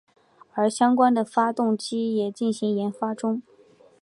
而相关的发动机也进行研发中。